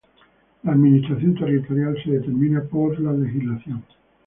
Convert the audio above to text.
La administración territorial se determina por la legislación.